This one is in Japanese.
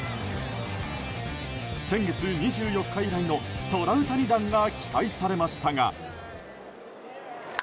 先月２４日以来のトラウタニ弾が期待されましたが。